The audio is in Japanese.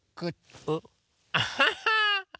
うっアハハ！